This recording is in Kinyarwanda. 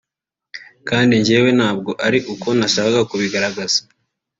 kandi njyewe ntabwo ari uko nashakaga kubigaragaza